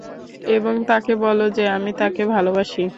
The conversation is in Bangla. এবং তাকে বলো যে আমি তাকে ভালবাসি।